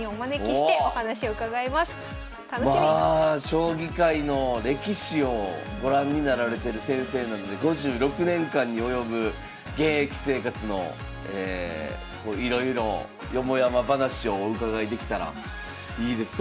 将棋界の歴史をご覧になられてる先生なので５６年間に及ぶ現役生活のいろいろをよもやま話をお伺いできたらいいです。